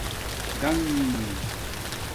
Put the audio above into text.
ڈآنݣ